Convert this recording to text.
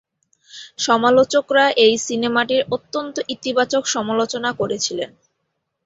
সমালোচকরা এই সিনেমাটির অত্যন্ত ইতিবাচক সমালোচনা করেছেন।